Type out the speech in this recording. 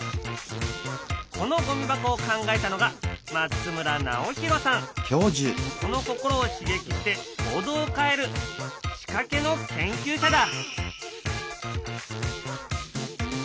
このゴミ箱を考えたのが人の心を刺激して行動を変える仕掛けの研究者だ。